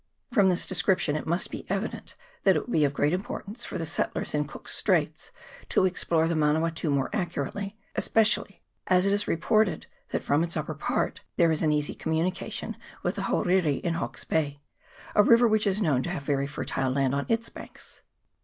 From this description it must be evident that it would be of great importance for the settlers in Cook's Straits to explore the Manawatu more accurately, especially as it is reported that CHAP VI.] MANAWATU RIVER. 127 from its upper part there is an easy communication with the Hauriri in Hawke's Bay, a river which is known to have very fertile land on its banks.